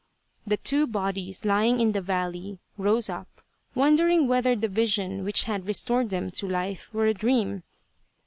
The two bodies lying in the valley rose up, wonder ing whether the vision which had restored them to life were a dream.